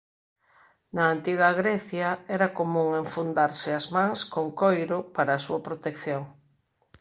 Na Antiga Grecia era común enfundarse as mans con coiro para a súa protección.